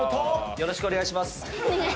よろしくお願いします。